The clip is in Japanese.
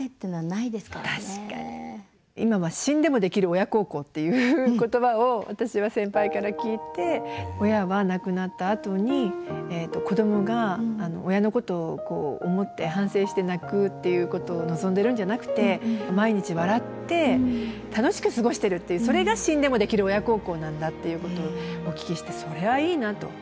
今は「死んでもできる親孝行」っていう言葉を私は先輩から聞いて親は亡くなったあとに子どもが親のことを思って反省して泣くっていうことを望んでるんじゃなくて毎日笑って楽しく過ごしてるっていうそれが死んでもできる親孝行なんだっていうことをお聞きしてそれはいいなと。